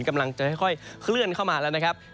กำลังจะค่อยเคลื่อนเข้ามาแล้วนะครับ